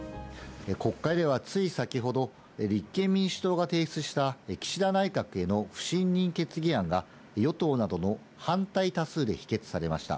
国会ではつい先ほど、立憲民主党が提出した岸田内閣への不信任決議案が、与党などの反対多数で否決されました。